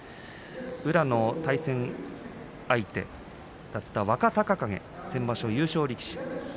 宇良の対戦相手だった若隆景先場所優勝力士。